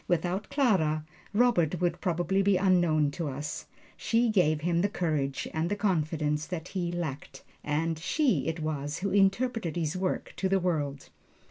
Without Clara, Robert would probably be unknown to us. She gave him the courage and the confidence that he lacked; and she it was who interpreted his work to the world.